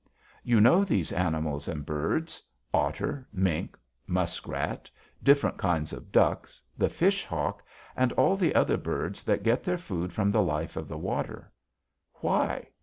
You know these animals and birds: otter, mink, muskrat; different kinds of ducks; the fish hawk, and all the other birds that get their food from the life of the water. Why?